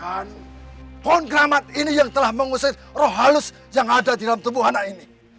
pohon keramat ini yang telah mengusir roh halus yang ada di dalam tubuh anak ini